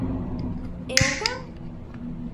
E o can?